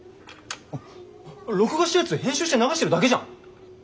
あっ録画したやつ編集して流してるだけじゃん。